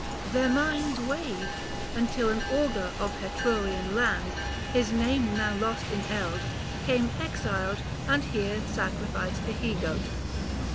Their minds wave, Until an augur of Hetrurian land, 460 His name now lost in eld, came exiled and Here sacrificed a he goat.